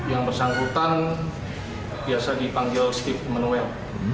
yang bersangkutan biasa dipanggil steve emmanuel